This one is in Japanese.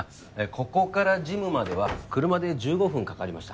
ここからジムまでは車で１５分かかりました